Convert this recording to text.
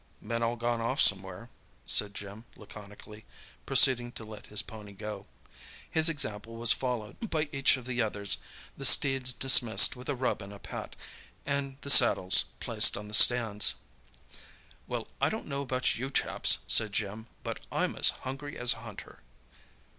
"Men all gone off somewhere," said Jim laconically, proceeding to let his pony go. His example was followed by each of the others, the steeds dismissed with a rub and a pat, and the saddles placed on the stands. "Well, I don't know about you chaps," said Jim, "but I'm as hungry as a hunter!"